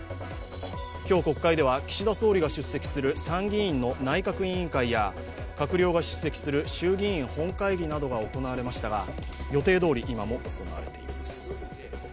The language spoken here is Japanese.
今日、国会では岸田総理が出席する参議院の内閣委員会や閣僚が出席する衆議院本会議などが行われましたが、予定どおり今も行われています。